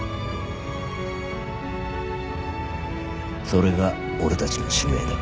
それが俺たちの使命だ。